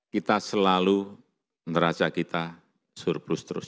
kita selalu neraca kita surplus terus